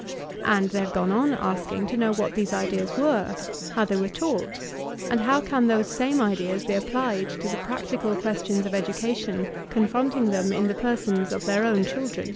And they have gone on asking to know what these ideas were, how they were taught, and how can those same ideas be applied to the practical questions of education confronting them in the persons of their own children.